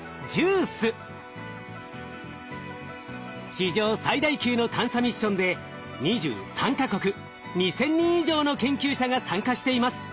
史上最大級の探査ミッションで２３か国２，０００人以上の研究者が参加しています。